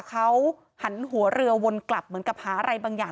เขาหันหัวเรือวนกลับเหมือนกับหาอะไรบางอย่าง